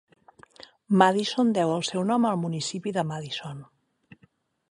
Madison deu el seu nom al municipi de Madison.